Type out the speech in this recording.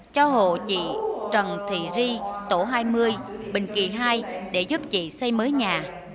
cho hộ chị trần thị ri tổ hai mươi bình kỳ hai để giúp chị xây mới nhà